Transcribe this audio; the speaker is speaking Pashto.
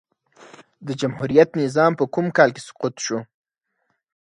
د جمهوريت نظام په کوم کال کی سقوط سو؟